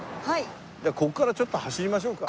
じゃあここからちょっと走りましょうか。